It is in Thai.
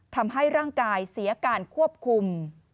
ทำให้ร่างกายเสียการควบคุม